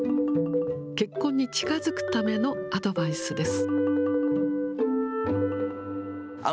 結婚に近づくためのアドバイスです。